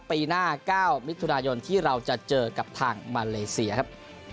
ปีหน้า๙มิถุนายนที่เราจะเจอกับทางมาเลเซียครับ